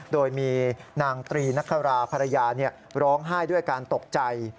โดยมีนางตรีนคราภรรยาร้องไห้ด้วยการตกใจ